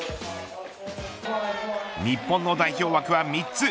日本の代表枠は３つ。